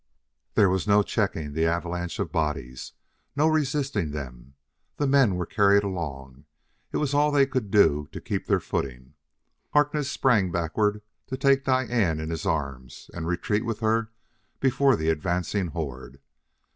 There was no checking the avalanche of bodies no resisting them: the men were carried along; it was all they could do to keep their footing. Harkness sprang backward to take Diane in his arms and retreat with her before the advancing horde.